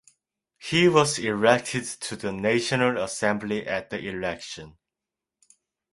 He was elected to the National Assembly at the election.